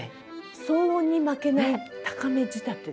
「騒音に負けない高め仕立て」。